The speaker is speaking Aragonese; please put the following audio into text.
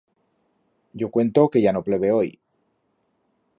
Yo cuento que ya no pleve hoi.